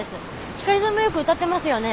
ヒカリさんもよく歌ってますよね？